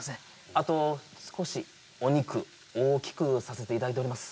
あと少しお肉大きくさせていただいております